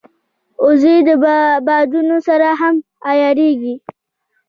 وزې د بادونو سره هم عیارېږي